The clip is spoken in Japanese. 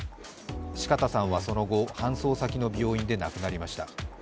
四方さんはその後、搬送先の病院で亡くなりました。